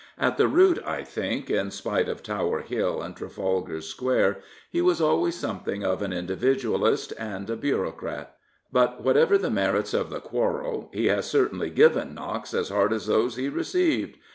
At the root, I think, in spite of Tower Hill and Trafalgar Square, he was always something of an Individualist and a bureaucrat. But whatever the merits of the quarrel, he has certainly given knocks as hard as those he received.